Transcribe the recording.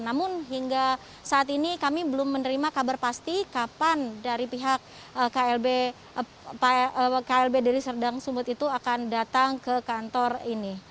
namun hingga saat ini kami belum menerima kabar pasti kapan dari pihak klb deli serdang sumut itu akan datang ke kantor ini